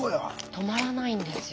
止まらないんですよ。